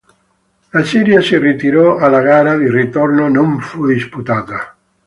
La Siria si ritirò, e la gara di ritorno non fu disputata.